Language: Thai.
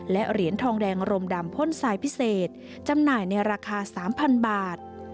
และเหรียญทองแดงรมดำพ่นทรายพิเศษจำหน่ายในราคา๓๐๐บาท